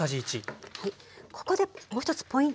ここでもう一つポイント